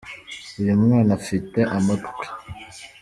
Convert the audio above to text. uyumwana afite amatwi